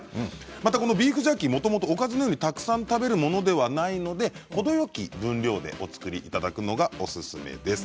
またこのビーフジャーキーもともとおかずのようにたくさん食べるものではないので程よき分量でお作りいただくのがおすすめです。